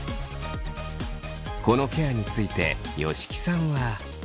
このケアについて吉木さんは。